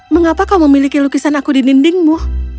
mengapa kau memiliki lukisan aku di dindingmu